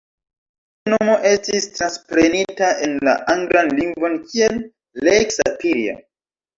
Tiu nomo estis transprenita en la anglan lingvon kiel "Lake Superior".